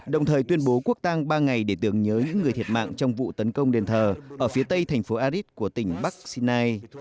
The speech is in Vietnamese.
đồng thời tuyên bố quốc tang ba ngày để tưởng nhớ những người thiệt mạng trong vụ tấn công đền thờ ở phía tây thành phố arid của tỉnh bắc sinai